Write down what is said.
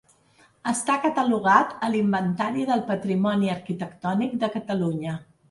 Està catalogat a l'Inventari del Patrimoni Arquitectònic de Catalunya.